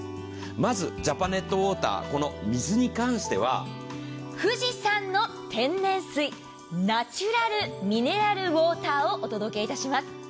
まずジャパネットウォーター水に関しては、富士山の天然水ナチュラルミネラルウォーターをお届けいたします。